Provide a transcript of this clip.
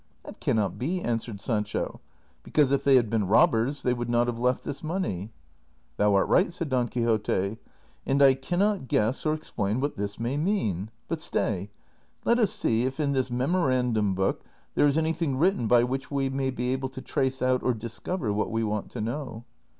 " That can not be," answered Sancho, " because if they had been robbers they would not have left this money." " Thou art right," said Don Quixote, " and I can not guess or explain what this may mean ; but stay ; let us see if in this memorandum book there is anything written by which we may be able to trace out or discover what we want to know."